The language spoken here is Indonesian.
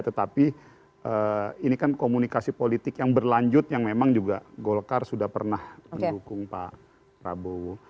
tetapi ini kan komunikasi politik yang berlanjut yang memang juga golkar sudah pernah mendukung pak prabowo